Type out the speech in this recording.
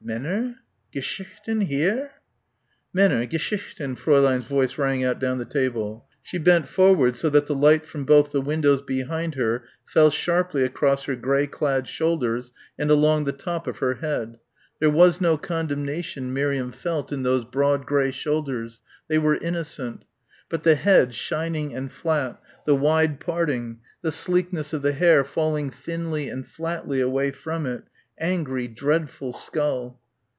"Männer geschichten ... here!" "Männer geschichten." Fräulein's voice rang out down the table. She bent forward so that the light from both the windows behind her fell sharply across her grey clad shoulders and along the top of her head. There was no condemnation Miriam felt in those broad grey shoulders they were innocent. But the head shining and flat, the wide parting, the sleekness of the hair falling thinly and flatly away from it angry, dreadful skull.